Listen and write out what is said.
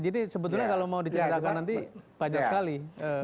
jadi sebetulnya kalau mau diceritakan nanti banyak sekali